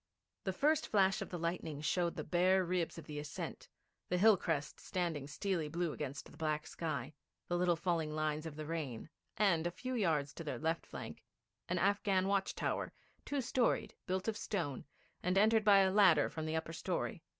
The first flash of the lightning showed the bare ribs of the ascent, the hill crest standing steely blue against the black sky, the little falling lines of the rain, and, a few yards to their left flank, an Afghan watch tower, two storied, built of stone, and entered by a ladder from the upper story.